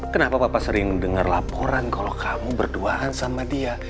kenapa bapak sering dengar laporan kalau kamu berduaan sama dia